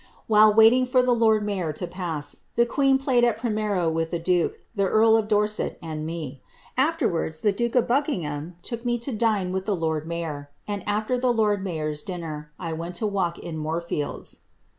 While waiting for the lord mayor to pass, the queen played at primero with the duke, the earl of Dorset, and me ; afterwards, the duke of Buckingham took me to dine with the lord mayor ; and aher the lord mayor's dinner, I went to walk in Moorfields."